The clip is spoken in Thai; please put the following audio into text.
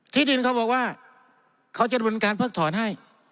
ที่ดินเขาบอกว่าเขาจะรวมการพักถอนให้